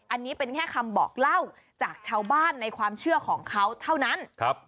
อันนี้เป็นแค่คำบอกเล่าจากชาวบ้านในความเชื่อของเขาเท่านั้น